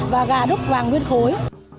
và gà đúc vàng nguyên khối